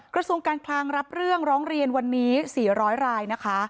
กระทรวงการคลังรับเรื่องร้องเรียนวันนี้๔๐๐รายนะคะ